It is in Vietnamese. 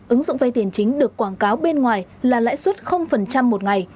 ứng dụng vay tiền chính được quảng cáo bên ngoài là lãi suất một ngày